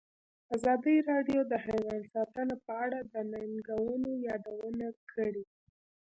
ازادي راډیو د حیوان ساتنه په اړه د ننګونو یادونه کړې.